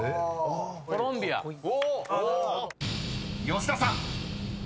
［吉田さん］